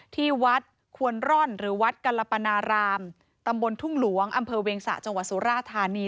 ที่วัดควรร่อนหรือวัดกรปนารามตำบลทุ่งหลวงอำเภอเวียงสะจังหวัดสุราธานี